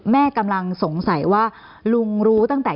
แม่กำลังสงสัยว่าลุงรู้ตั้งแต่